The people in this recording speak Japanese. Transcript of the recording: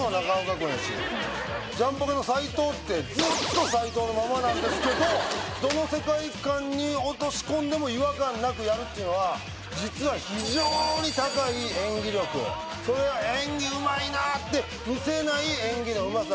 やしジャンポケの斉藤ってずっと斉藤のままなんですけどどの世界観に落とし込んでも違和感なくやるっていうのは実は非常に高い演技力それは演技うまいなって見せない演技のうまさ